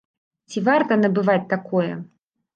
Ці варта набываць такое?